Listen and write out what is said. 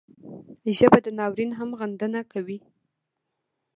ژبه د ناورین هم غندنه کوي